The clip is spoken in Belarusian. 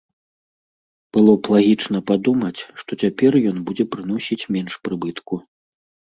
Было б лагічна падумаць, што цяпер ён будзе прыносіць менш прыбытку.